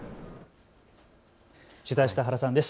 取材した原さんです。